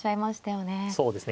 そうですね。